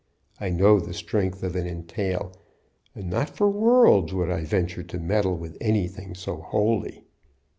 I know the strength of an entail, and not for worlds would I venture to meddle with anything so holy."